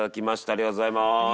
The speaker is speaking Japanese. ありがとうございます。